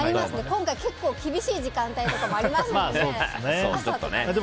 今回、結構厳しい時間帯もありますので。